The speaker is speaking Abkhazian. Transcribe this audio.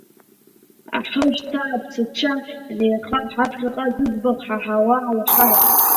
Аҳы, шьҭа, аԥсацәа, ҳнеихап ҳаԥхьаҟа, зыӡбахә ҳаҳауа алашарахь…